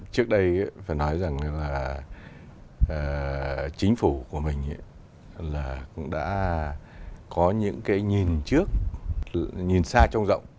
trước đây phải nói rằng là chính phủ của mình là cũng đã có những cái nhìn trước nhìn xa trong rộng